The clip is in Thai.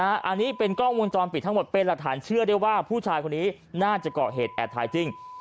อันนี้เป็นกล้องวงจรปิดทั้งหมดเป็นหลักฐานเชื่อได้ว่าผู้ชายคนนี้น่าจะเกาะเหตุแอบถ่ายจริง